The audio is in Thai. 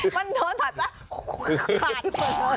มันโดนตัดซะขาด